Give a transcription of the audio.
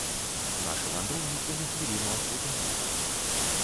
Нашы вандроўнікі на хвіліну аслупянелі.